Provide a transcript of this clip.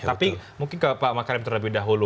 tapi mungkin ke pak makarim terlebih dahulu